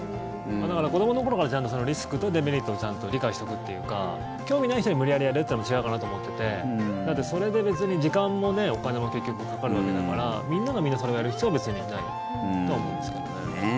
子どもの頃からちゃんとリスクとデメリットを理解しておくというか興味ない人に無理やり、やれと言うのも違うかなと思っててだってそれで別に時間もお金も結局かかるわけだからみんながみんなそれをやる必要別にないとは思うんですけどね。